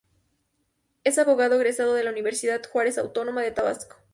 Es abogado egresado de la Universidad Juárez Autónoma de Tabasco.